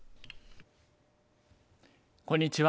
こんにちは。